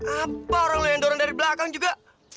apa orang leendoran dari belakang juga